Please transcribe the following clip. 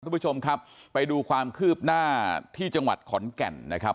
ทุกผู้ชมครับไปดูความคืบหน้าที่จังหวัดขอนแก่นนะครับ